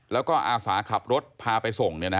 แล้วก็อาสาขับรถพาไปส่ง